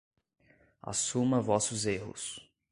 Assuma vossos erros